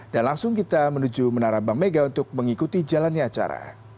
langsung kita menuju menara bank mega untuk mengikuti jalannya acara